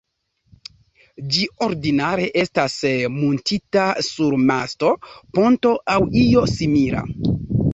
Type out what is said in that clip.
Ĝi ordinare estas muntita sur masto, ponto aŭ io simila.